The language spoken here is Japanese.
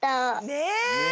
ねえ！